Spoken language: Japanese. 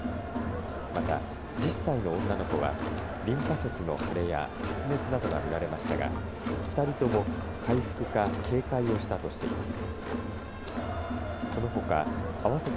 また、１０歳の女の子はリンパ節の腫れや発熱などが見られましたが２人とも回復か軽快をしたとしています。